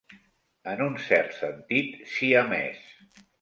En un cert sentit siamès.